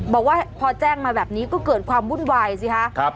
บอกว่าพอแจ้งมาแบบนี้ก็เกิดความวุ่นวายสิคะ